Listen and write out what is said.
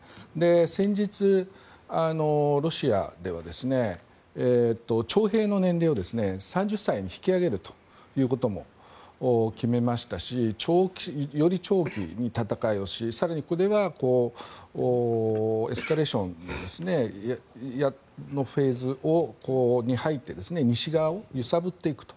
先日、ロシアでは徴兵の年齢を３０歳に引き上げるということも決めましたしより長期に戦いをし更に、エスカレーションのフェーズに入って西側を揺さぶっていくと。